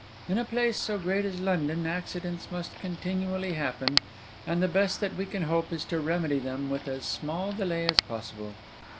In a place so great as London accidents must continually happen; and the best that we can hope is to remedy them with as small delay as possible.